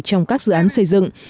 trong các dự án xây dựng